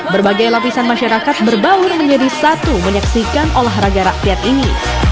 berbagai lapisan masyarakat berbaur menjadi satu menyaksikan olahraga rakyat ini